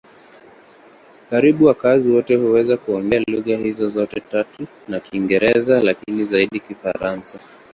Karibu wakazi wote huweza kuongea lugha hizo zote tatu na Kiingereza, lakini zaidi Kifaransa.